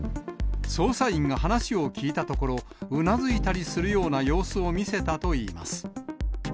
捜査員が話を聞いたところ、うなずいたりするような様子を見せたといいます。